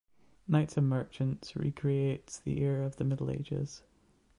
Knights and Merchants recreates the era of the Middle Ages.